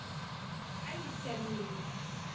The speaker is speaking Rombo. Aliisha linu.